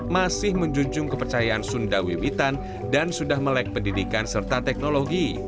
masih menjunjung kepercayaan sunda wiwitan dan sudah melek pendidikan serta teknologi